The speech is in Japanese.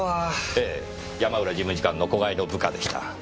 ええ山浦事務次官の子飼いの部下でした。